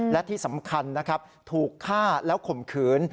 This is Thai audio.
และที่สำคัญนะครับถูกฆ่าแล้วข่มขืน